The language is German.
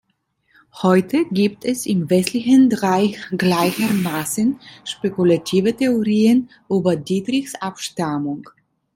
Heute gibt es im Wesentlichen drei gleichermaßen spekulative Theorien über Dietrichs Abstammung.